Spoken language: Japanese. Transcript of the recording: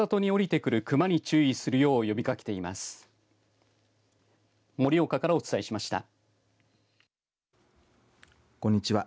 こんにちは。